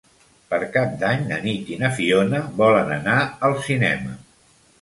Per Cap d'Any na Nit i na Fiona volen anar al cinema.